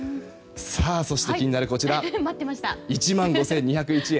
そして気になるこちら１万５２０１円。